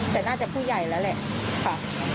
แต่น่าจะผู้ใหญ่แล้วแหละค่ะ